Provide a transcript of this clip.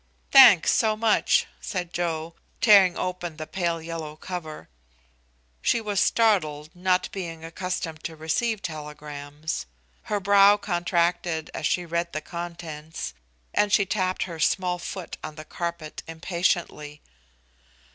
"Thanks, so much," said Joe, tearing open the pale yellow cover. She was startled, not being accustomed to receive telegrams. Her brow contracted as she read the contents, and she tapped her small foot on the carpet impatiently.